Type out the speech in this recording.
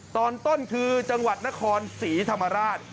ตอนต้นคือจังหวัดนครศรีธรรมราช